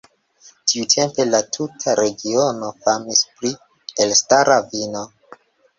Tiutempe la tuta regiono famis pri elstara vino.